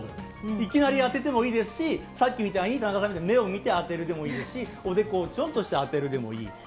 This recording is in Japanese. いきなり当ててもいいですし、さっきみたいに、中山さんの目を見て当てるでもいいですし、おでこをちょんとして当てるでもいいですし。